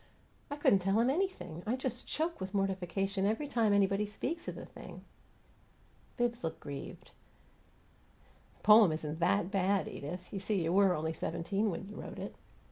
"I couldn't tell 'em anything! I just choke with mortification every time anybody speaks of the thing." Bibbs looked grieved. "The poem isn't THAT bad, Edith. You see, you were only seventeen when you wrote it."